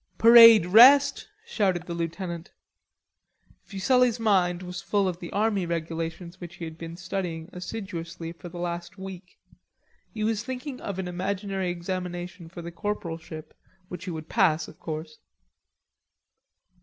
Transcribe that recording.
"Parade rest!" shouted the lieutenant. Fuselli's mind was full of the army regulations which he had been studying assiduously for the last week. He was thinking of an imaginary examination for the corporalship, which he would pass, of course.